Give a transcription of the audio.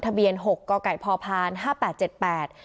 ทะเบียนหกก่อไก่พอพานห้าแปดเจ็ดแปด